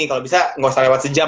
kalau bisa nggak usah lewat sejam